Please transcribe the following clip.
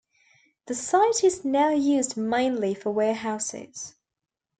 The site is now used mainly for warehouses.